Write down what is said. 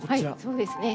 そうですね。